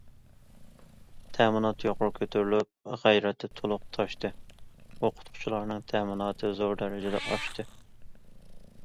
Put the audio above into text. تەمىنات يۇقىرى كۆتۈرۈلۈپ غەيرىتى تولۇپ تاشتى ئوقۇتقۇچىلارنىڭ تەمىناتى زور دەرىجىدە ئاشتى.